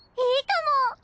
いいかも！